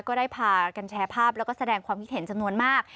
ก็ได้พากันแชร์ภาพแล้วก็แสดงความคิดเห็นจำนวนมาก